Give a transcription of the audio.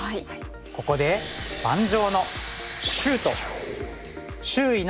ここで盤上のシュート！